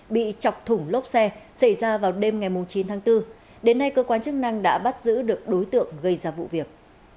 bị chọc thủng lốp xe xảy ra vào đêm ngày chín tháng bốn đến nay cơ quan chức năng đã bắt giữ được đối tượng gây ra vụ việc